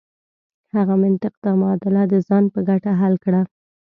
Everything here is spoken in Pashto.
هغه منطق دا معادله د ځان په ګټه حل کړه.